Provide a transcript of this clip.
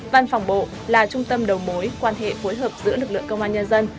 văn phòng bộ là trung tâm đầu mối quan hệ phối hợp giữa lực lượng công an nhân dân